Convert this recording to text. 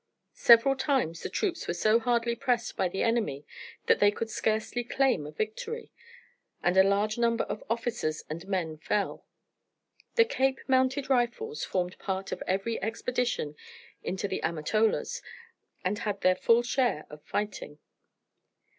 Several times the troops were so hardly pressed by the enemy that they could scarcely claim a victory, and a large number of officers and men fell. The Cape Mounted Rifles formed part of every expedition into the Amatolas, and had their full share of fighting.